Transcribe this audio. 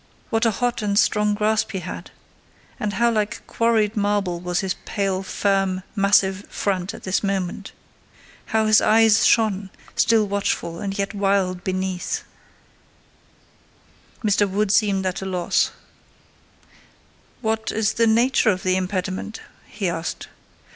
What a hot and strong grasp he had! and how like quarried marble was his pale, firm, massive front at this moment! How his eye shone, still watchful, and yet wild beneath! Mr. Wood seemed at a loss. "What is the nature of the impediment?" he asked.